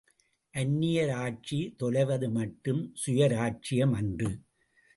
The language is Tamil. அந்நியர் ஆட்சி தொலைவது மட்டும் சுயராஜ்யம் அன்று.